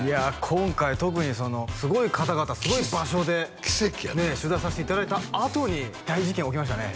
今回特にそのすごい方々すごい場所で奇跡やな取材させていただいたあとに大事件起きましたね